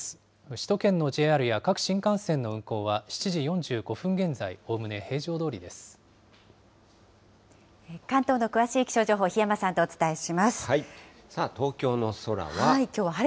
首都圏のＪＲや各新幹線の運行は７時４５分現在、おおむね平常ど関東の詳しい気象情報、東京の空は。